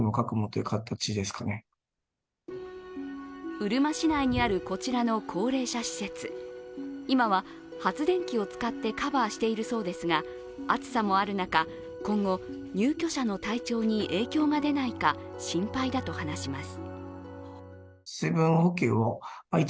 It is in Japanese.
うるま市内にあるこちらの高齢者施設、今は発電機を使ってカバーしているそうですが、暑さもある中、今後入居者の体調に影響が出ないか心配だと話します。